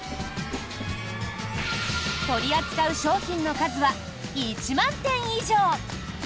取り扱う商品の数は１万点以上！